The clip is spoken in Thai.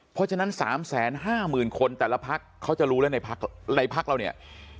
เพราะฉะนั้น๓๕๐๐๐คนแต่ละพักเขาจะรู้แล้วในพักเราเนี่ย